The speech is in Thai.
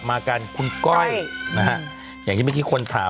ไปดูในนี่ไง